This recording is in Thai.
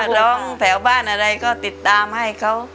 ร้องแถวบ้านอะไรก็ติดตามให้เขา